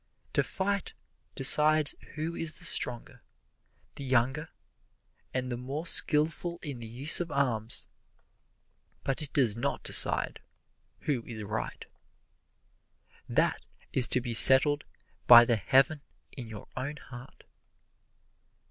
"To fight decides who is the stronger, the younger and the more skilful in the use of arms, but it does not decide who is right. That is to be settled by the Heaven in your own heart."